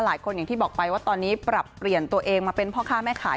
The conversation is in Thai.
อย่างที่บอกไปว่าตอนนี้ปรับเปลี่ยนตัวเองมาเป็นพ่อค้าแม่ขาย